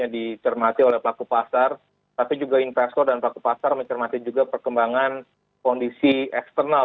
yang diperlukan oleh paku pasar tapi juga investor dan paku pasar mencermati juga perkembangan kondisi eksternal